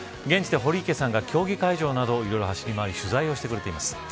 現地で堀池さんが競技会場などいろいろ走り回り取材をしてくれています。